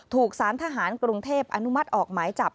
ถูกสารทหารกรุงเทพอนุมัติออกหมายจับ